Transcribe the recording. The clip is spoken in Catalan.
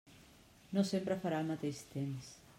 No sempre farà el mateix temps.